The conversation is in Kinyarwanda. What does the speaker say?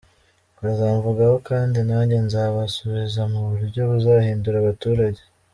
Bazamvugaho kandi nanjye nzabasubiza mu buryo buzahindura abaturage.”